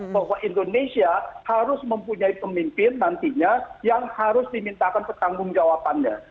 bahwa indonesia harus mempunyai pemimpin nantinya yang harus dimintakan pertanggung jawabannya